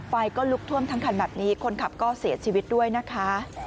ไฟก็ลุกท่วมทั้งคันแบบนี้คนขับก็เสียชีวิตด้วยนะคะ